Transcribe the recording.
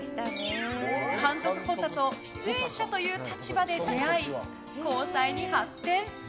監督補佐と出演者という立場で出会い、交際に発展。